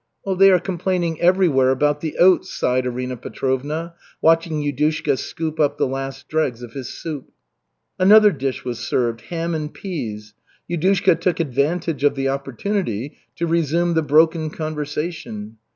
"They are complaining everywhere about the oats," sighed Arina Petrovna, watching Yudushka scoop up the last dregs of his soup. Another dish was served, ham and peas. Yudushka took advantage of the opportunity to resume the broken conversation.